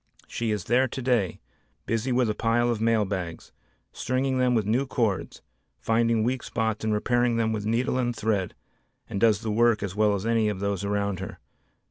She is there today busy with a pile of mail bags, stringing them with new cords, finding weak spots and repairing them with needle and thread and does the work as well as any of those around her.